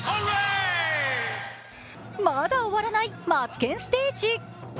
まだ終わらないマツケンステージ。